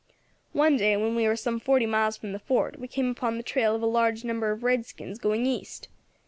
One day, when we war some forty miles from the fort, we came upon the trail of a large number of redskins going east.